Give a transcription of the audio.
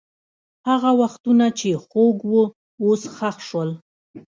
هغه وختونه چې خوږ وو، اوس ښخ شول.